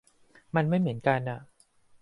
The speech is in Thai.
มันไม่เหมือนกันอ่ะ